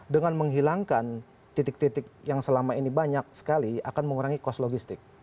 dengan menghilangkan titik titik yang selama ini banyak sekali akan mengurangi cost logistik